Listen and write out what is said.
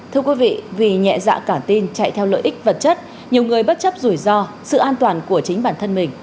thưa quý vị vì nhẹ dạ cả tin chạy theo lợi ích vật chất nhiều người bất chấp rủi ro sự an toàn của chính bản thân mình